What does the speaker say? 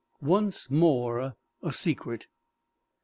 ONCE MORE A SECRET.